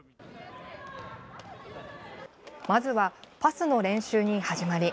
まずはパスの練習に始まり。